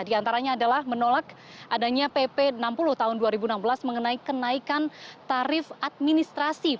di antaranya adalah menolak adanya pp enam puluh tahun dua ribu enam belas mengenai kenaikan tarif administrasi